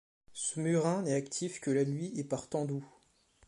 Ce murin n'est actif que la nuit et par temps doux.